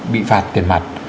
bị phạt tiền mặt